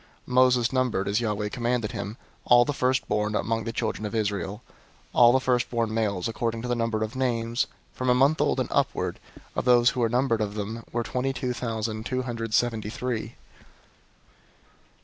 003:042 Moses numbered, as Yahweh commanded him, all the firstborn among the children of Israel. 003:043 All the firstborn males according to the number of names, from a month old and upward, of those who were numbered of them, were twenty two thousand two hundred seventy three.